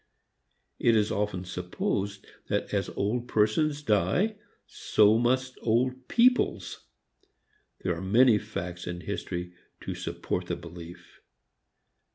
It is often supposed that as old persons die, so must old peoples. There are many facts in history to support the belief.